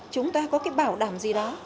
chúng ta có cái bảo đảm gì đó